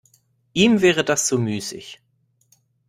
Ihm wäre das zu müßig.